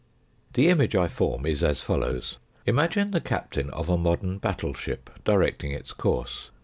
The image I form is as follows. Imagine the captain of a modern battle ship directing its course.